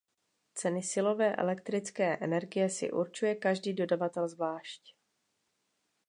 Ceny silové elektrické energie si určuje každý dodavatel zvlášť.